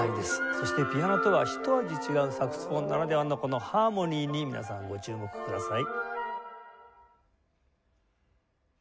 そしてピアノとはひと味違うサクソフォンならではのこのハーモニーに皆さんご注目ください。